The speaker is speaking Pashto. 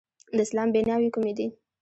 د اسلام بیناوې کومې دي؟